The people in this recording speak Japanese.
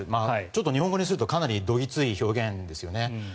ちょっと日本語にするとかなりどぎつい表現ですよね。